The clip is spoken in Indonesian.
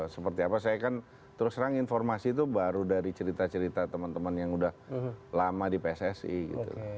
seperti apa saya kan terus terang informasi itu baru dari cerita cerita teman teman yang udah lama di pssi gitu